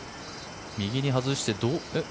右に外して。